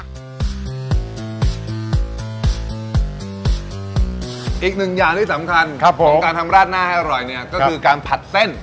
อีกหนึ่งอย่างที่สำคัญของการทำราดหน้าให้อร่อยเนี่ยก็คือการผัดเส้น